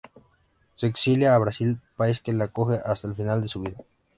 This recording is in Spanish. Se exilia a Brasil, país que le acoge hasta el final de su vida.